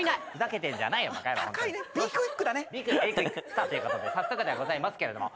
さあということで早速ではございますけれども。